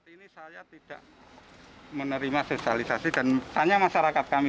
ini saya tidak menerima sosialisasi dan tanya masyarakat kami